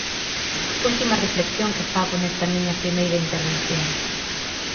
Última reflexión que fago nesta miña primeira intervención.